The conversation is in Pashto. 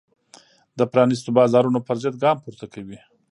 د پرانیستو بازارونو پرضد ګام پورته کوي.